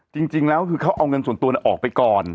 จริงแล้วคือเขาเอาเงินส่วนตัวออกไปก่อน